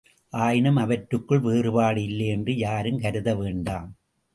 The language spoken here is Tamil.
ஆயினும், அவற்றுக்குள் வேறுபாடு இல்லையென்று யாரும் கருத வேண்டாம்.